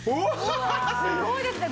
すごいですね